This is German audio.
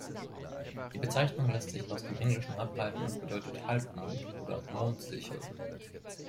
Die Bezeichnung lässt sich aus dem Englischen ableiten und bedeutet "Halbmond" oder "Mondsichel".